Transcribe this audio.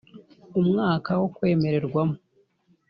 Umwaka wo kwemererwamo